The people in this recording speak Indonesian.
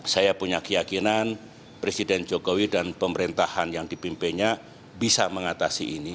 saya punya keyakinan presiden jokowi dan pemerintahan yang dipimpinnya bisa mengatasi ini